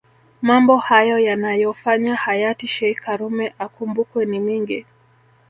Mambo hayo yanayofanya hayati sheikh karume akumbukwe ni mengi